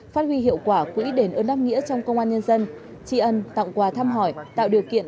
phát huy hiệu quả quỹ đền ơn đáp nghĩa trong công an nhân dân